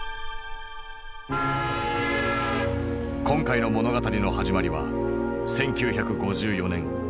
今回の物語の始まりは１９５４年１０月。